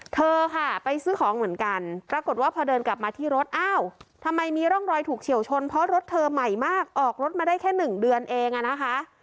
เธอค่ะไปซื้อของเหมือนกันปรากฏว่าพอเดินกลับมาที่รถอ้าวทำไมมีร่องรอยถูกเฉียวชนเพราะรถเธอใหม่มากออกรถมาได้แค่๑เดือนเองอะนะคะ